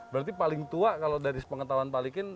berarti paling tua kalau dari sepengetahuan pak likin